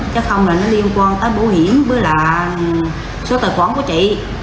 chắc không là nó liên quan tới bổ hiểm với là số tài khoản của chị